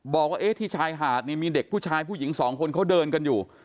บอกว่าที่ชายหาดนี่มีเด็กผู้ชายผู้หญิงสองคนเขาเดินกันอยู่